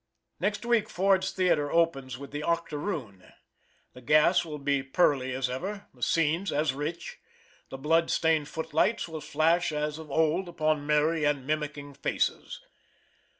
Next week Ford's Theater opens with the "Octoroon." The gas will be pearly as ever; the scenes as rich. The blood stained foot lights will flash as of old upon merry and mimicking faces.